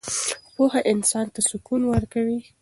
پوهه انسان ته سکون ورکوي.